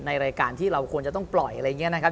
ในรายการที่เราควรจะต้องปล่อยอะไรอย่างนี้นะครับ